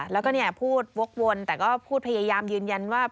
แล้วก็พูดวกวนแต่ก็พูดพยายามยืนยันว่า